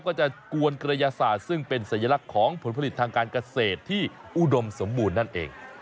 ก็จะกวนกระยาศาสตร์ซึ่งเป็นสัญลักษณ์ของผลผลิตทางการเกษตรที่อุดมสมบูรณ์นั่นเอง